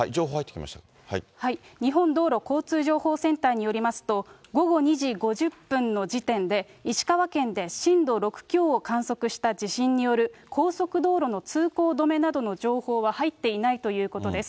日本道路交通情報センターによりますと、午後２時５０分の時点で、石川県で震度６強を観測した地震による高速道路の通行止めなどの情報は入っていないということです。